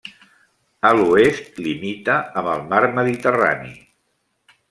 A l'oest limita amb el Mar Mediterrani.